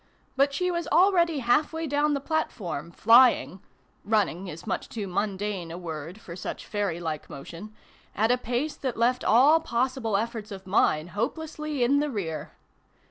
But she was already half way down the platform, flying (' running ' is much too mundane a word for such fairy like motion) at a pace that left all possible efforts of mine hopelessly in the rear.